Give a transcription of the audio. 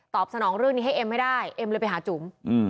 สนองเรื่องนี้ให้เอ็มไม่ได้เอ็มเลยไปหาจุ๋ม